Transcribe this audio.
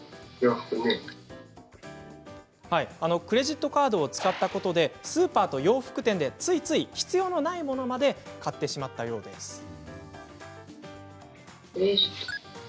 クレジットカードを使ったことでスーパーと洋服店でついつい必要ないものまで買ってしまったようです。